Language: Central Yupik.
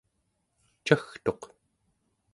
cagtuq